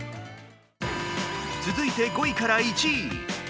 続いて、５位から１位。